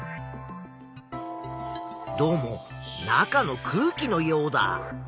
どうも中の空気のようだ。